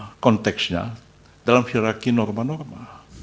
berbeda konteksnya dalam hirarki norma norma